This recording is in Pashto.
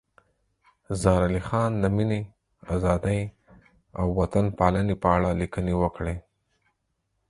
زار علي خان د مینې، ازادۍ او وطن پالنې په اړه لیکنې وکړې.